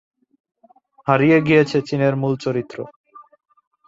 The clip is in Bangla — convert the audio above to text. হারিয়ে গিয়েছে চীনের মূল চরিত্র।